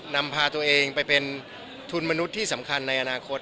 นำพาตัวเองไปเป็นทุนมนุษย์ที่สำคัญในอนาคต